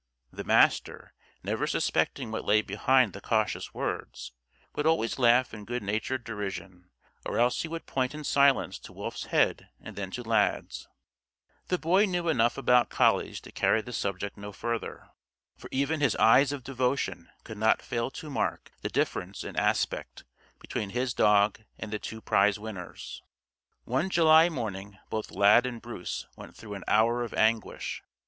The Master, never suspecting what lay behind the cautious words, would always laugh in good natured derision, or else he would point in silence to Wolf's head and then to Lad's. The Boy knew enough about collies to carry the subject no further. For even his eyes of devotion could not fail to mark the difference in aspect between his dog and the two prize winners. One July morning both Lad and Bruce went through an hour of anguish.